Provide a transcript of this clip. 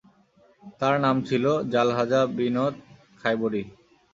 তার নাম ছিল জালহাযা বিনত খায়বরী।